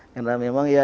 karena memang ya